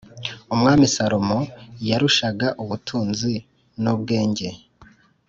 Umwami Salomo yarushaga ubutunzi n ubwenge